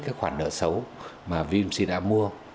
tại việt nam